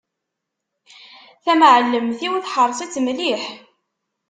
Tamεellemt-iw teḥreṣ-itt mliḥ.